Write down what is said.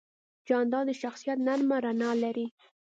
جانداد د شخصیت نرمه رڼا لري.